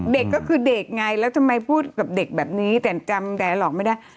เด็กก็คือเด็กไงแล้วทำไมพูดกับเด็กแบบนี้แต่จำแต่หลอกไม่ได้